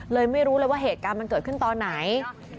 ไม่รู้เลยว่าเหตุการณ์มันเกิดขึ้นตอนไหน